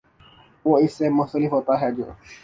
وہ اس سے مختلف ہوتا ہے جو